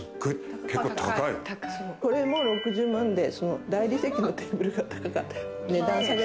これも６０万で大理石のテーブルが高かった。